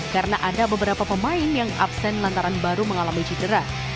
karena ada beberapa pemain yang absen lantaran baru mengalami cedera